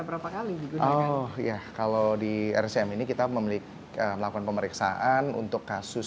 berapa kali gitu ya kalau di rscm ini kita memiliki melakukan pemeriksaan untuk kasus